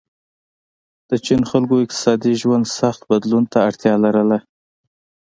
د چین خلکو اقتصادي ژوند سخت بدلون ته اړتیا لرله.